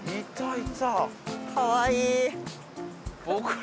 かわいい。